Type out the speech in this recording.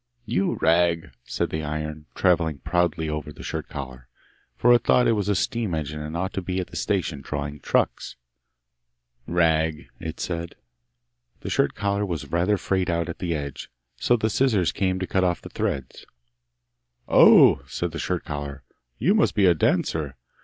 'You rag!' said the iron, travelling proudly over the shirt collar, for it thought it was a steam engine and ought to be at the station drawing trucks. 'Rag!' it said. The shirt collar was rather frayed out at the edge, so the scissors came to cut off the threads. 'Oh!' said the shirt collar, 'you must be a dancer!